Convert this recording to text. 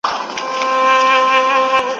چي پر قام دي خوب راغلی په منتر دی.